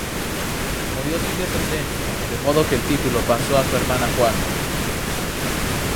Murió sin descendencia de modo que el título pasó a su hermana Juana.